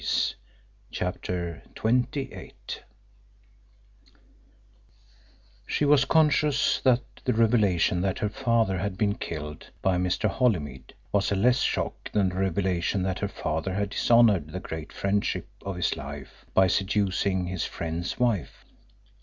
CHAPTER XXVIII She was conscious that the revelation that her father had been killed by Mr. Holymead was a less shock than the revelation that her father had dishonoured the great friendship of his life by seducing his friend's wife.